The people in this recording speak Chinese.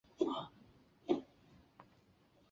有研究者认为依西可能是鲈鳗或鲢鱼群。